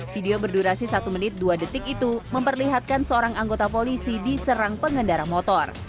video berdurasi satu menit dua detik itu memperlihatkan seorang anggota polisi diserang pengendara motor